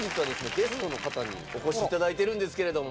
ゲストの方にお越し頂いてるんですけれども。